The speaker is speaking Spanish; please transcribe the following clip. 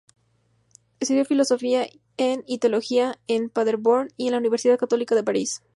Estudió filosofía en y teología en Paderborn y en la Universidad Católica de París.